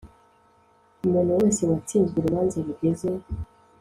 umuntu wese watsinzwe urubanza rugeze